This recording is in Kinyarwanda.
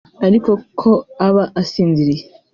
ariko ko aba asinziriye